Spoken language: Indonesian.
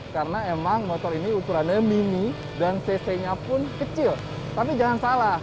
karena emang motor ini ukurannya mini dan cc nya pun kecil tapi jangan salah